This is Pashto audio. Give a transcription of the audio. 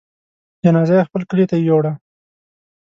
جنازه يې خپل کلي ته يووړه.